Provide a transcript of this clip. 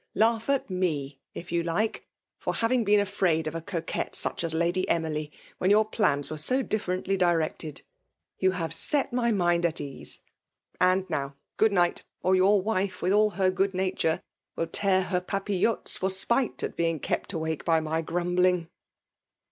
" Laugb at me, if you like, for baving been afraid of a coquette sucb as Lady Emily, irhile your plans were so differently directed* You bave set my mind at ease. And now; good nigbt ; or your wife, witb all her good nature, will tear ber papillotes for spite at being k^t awake by my grumbling."